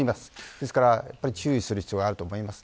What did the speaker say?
ですから注意する必要はあると思います。